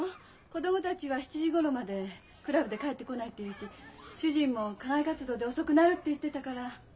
子供たちは７時ごろまでクラブで帰ってこないって言うし主人も課外活動で遅くなるって言ってたから。